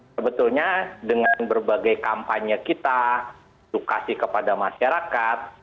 sebetulnya dengan berbagai kampanye kita edukasi kepada masyarakat